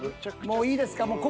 もういいですか？